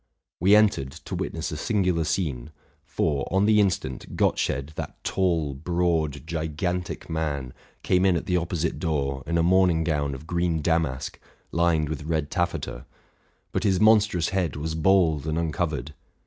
We entered, to witness a singular scene : for, on the instant, Gottsched, that tall, broad, gigantic man, came in at the opposite door in a morning gown of green damask lined with red taffeta; but his monstrous head was bald and uncovered.